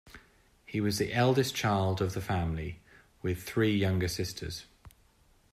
He was the eldest child of the family, with three younger sisters.